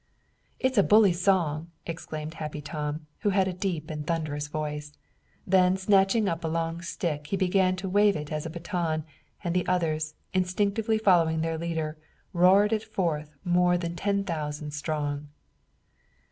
"It's a bully song!" exclaimed Happy Tom, who had a deep and thunderous voice. Then snatching up a long stick he began to wave it as a baton, and the others, instinctively following their leader, roared it forth, more than ten thousand strong.